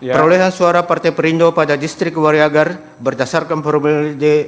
perolehan suara partai perindo pada distrik wariagar berdasarkan formulir